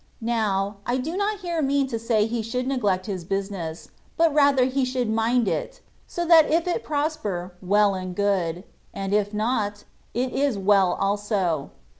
Now, I do not here mean to say he should neglect his business, but rather he should mind it ; so that if it prosper, well and good ; and if not, it is well also.